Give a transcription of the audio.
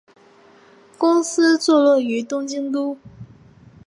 公司坐落于东京都。